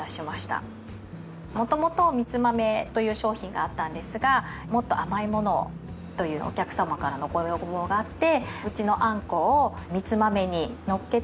元々みつ豆という商品があったんですがもっと甘いものをというお客様からのご要望があってうちのあんこをみつ豆にのっけてあんみつ。